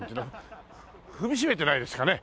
踏みしめてないですかね。